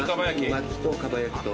う巻きとかば焼きと。